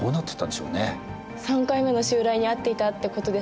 ３回目の襲来に遭っていたってことですかね。